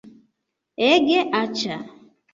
Ege aĉa